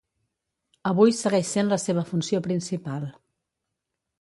Avui segueix sent la seva funció principal.